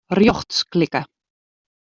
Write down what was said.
Rjochts klikke.